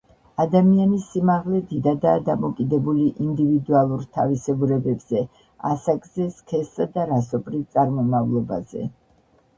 ადამიანის სიმაღლე დიდადაა დამოკიდებული ინდივიდუალურ თავისებურებებზე, ასაკზე, სქესსა და რასობრივ წარმომავლობაზე.